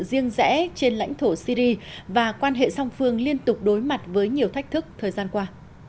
riêng rẽ trên lãnh thổ syri và quan hệ song phương liên tục đối mặt với nhiều thách thức thời gian qua